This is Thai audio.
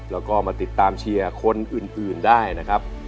แล้วก็มาติดตามเชียร์คนอื่นได้นะครับ